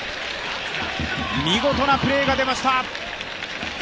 見事なプレーが出ました。